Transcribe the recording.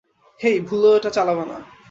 হেই, ভুলেও ওটা চালাবে না।